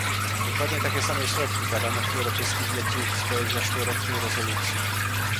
Dokładnie takie same środki Parlament Europejski zalecił w swojej zeszłorocznej rezolucji